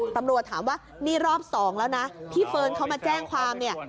ตำรวจถามว่านี่รอบสองแล้วนะที่เฟิร์นเขามาแจ้งความเนี่ย